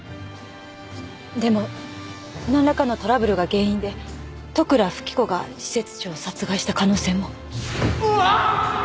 でもなんらかのトラブルが原因で利倉富貴子が施設長を殺害した可能性も。